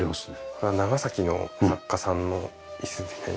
これは長崎の作家さんの椅子になります。